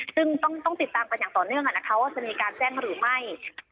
ซึ่งต้องติดตามกันอย่างต่อเนื่องว่าจะมีการแจ้งหรือไม่